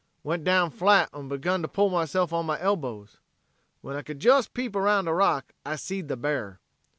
Went down flat en begun to pull myself on my elbows. When I could jes peep around a rock I seed the bear.